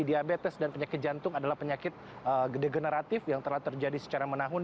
diabetes dan penyakit jantung adalah penyakit degeneratif yang telah terjadi secara menahun